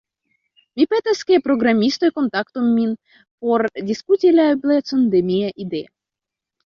Mi petas ke programistoj kontaktu min por diskuti la eblecon de mia ideo.